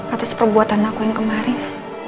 atas perbuatan aku yang kemarin